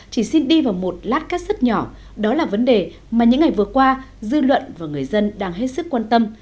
chỉ xin đi vào một lát các sức nhỏ đó là vấn đề mà những ngày vừa qua dư luận và người dân đang hết sức quan tâm